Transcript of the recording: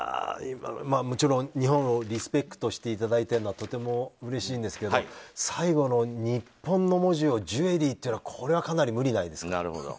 もちろん、日本をリスペクトしていただいてるのはとてもうれしいんですが最後の「日本」の文字をジュエリーっていうのはこれはかなり無理がないですか。